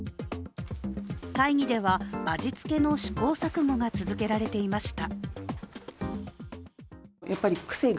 会議では味付けの試行錯誤が続けられていました。